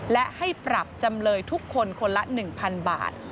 และให้ปรับจำเลยทุกคนคนละ๑๐๐๐บาท